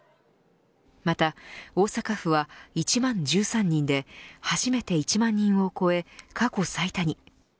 また、大阪府は１万１３人で初めて１万人を超え過去最多に。